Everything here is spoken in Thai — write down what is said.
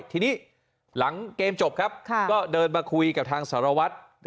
ทีนี้หลังเกมจบครับก็เดินมาคุยกับทางสารวัตร